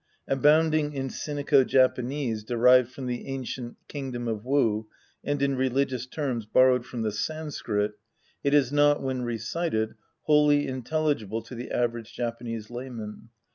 Abounding in sinico Japanese derived from the ancient kingdom of Wu and in religious terms borrowed from the Sanscrit, it is not, when recited, wholly intelligible to the average Japanese layman.